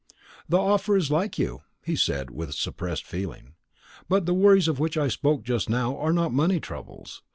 "The offer is like you," he said with suppressed feeling; "but the worries of which I spoke just now are not money troubles.